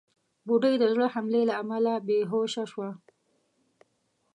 بوډۍ د زړه حملې له امله بېهوشه شوه.